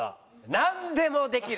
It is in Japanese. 「なんでもできる」